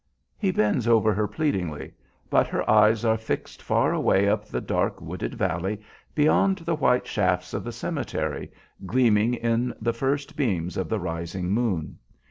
He bends over her pleadingly, but her eyes are fixed far away up the dark wooded valley beyond the white shafts of the cemetery, gleaming in the first beams of the rising moon.